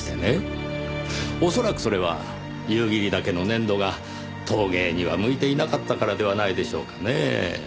恐らくそれは夕霧岳の粘土が陶芸には向いていなかったからではないでしょうかねぇ。